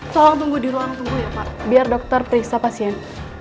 tolong tunggu di ruang tunggu ya pak biar dokter periksa pasien